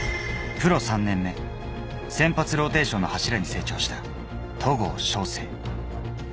プロ３年目、先発ローテーションの柱に成長した戸郷翔征。